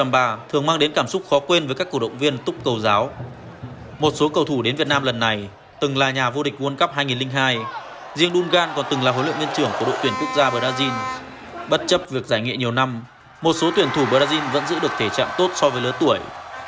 bất chấp việc giải nghị nhiều năm một số tuyển thủ brazil vẫn giữ được thể trạng tốt so với lớn tuổi